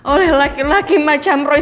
oleh laki laki macam roy